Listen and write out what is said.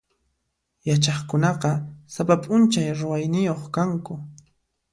Yachaqkunaqa sapa p'unchay ruwayniyuq kanku.